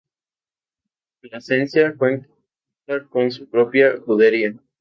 Plasencia cuenta con su propia judería.